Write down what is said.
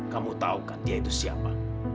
kamu tahu kan dia itu siapa